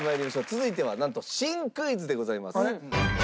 続いてはなんと新クイズでございます。